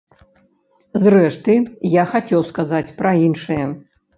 Зрэшты, я хацеў сказаць пра іншае.